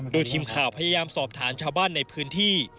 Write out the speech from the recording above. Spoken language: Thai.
โดยทีมข่าวพยายามสอบถามชาวบ้านในพื้นที่